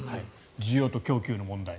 需要と供給の問題。